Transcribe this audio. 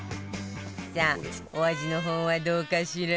さあお味の方はどうかしら？